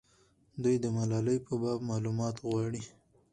دوی د ملالۍ په باب معلومات غواړي.